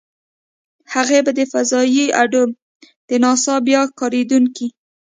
هغې به د فضايي اډو - د ناسا بیا کارېدونکې.